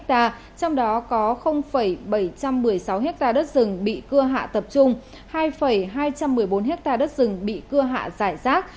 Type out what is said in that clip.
trong đó có bảy trăm một mươi sáu hectare đất rừng bị cưa hạ tập trung hai hai trăm một mươi bốn hectare đất rừng bị cưa hạ giải rác